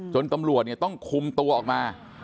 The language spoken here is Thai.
ตำรวจต้องคุมตัวออกมา